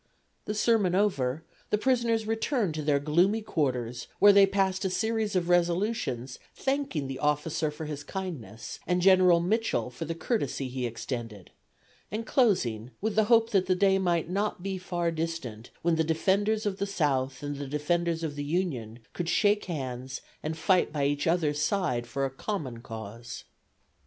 The sermon over, the prisoners returned to their gloomy quarters, where they passed a series of resolutions thanking the officer for his kindness and General Mitchell for the courtesy he extended, and closing with the hope that the day might not be far distant when the defenders of the South and the defenders of the Union could shake hands and fight by each other's side for a common cause.